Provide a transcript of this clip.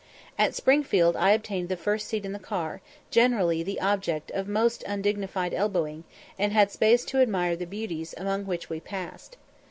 At Springfield I obtained the first seat in the car, generally the object of most undignified elbowing, and had space to admire the beauties among which we passed.